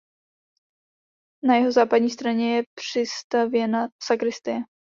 Na jihozápadní straně je přistavěna sakristie.